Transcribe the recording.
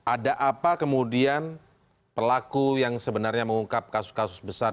ada apa kemudian pelaku yang sebenarnya mengungkap kasus kasus besar